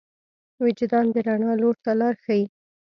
وجدان د رڼا لور ته لار ښيي.